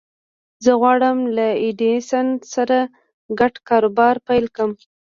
زه غواړم له ايډېسن سره ګډ کاروبار پيل کړم.